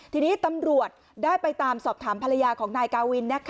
ทีนี้ตำรวจได้ไปตามสอบถามภรรยาของนายกาวิน